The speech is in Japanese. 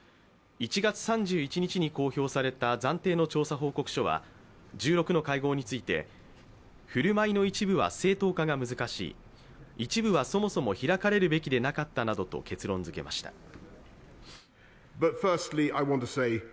１月３１日に公表された暫定の調査報告書は１６の会合について、振る舞いの一部は正当化が難しい一部はそもそも開かれるべきでなかったなどと結論づけました。